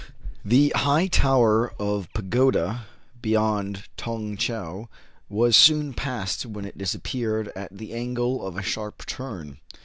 The high tower of a pagoda beyond Tong Tcheou was soon passed, when it disappeared at the angle of a sharp turn.